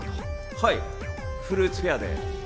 はいフルーツフェアで。